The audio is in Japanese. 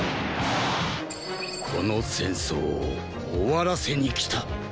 この戦争を終わらせに来た！